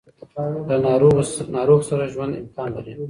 له ناروغ سره ژوند امکان لري.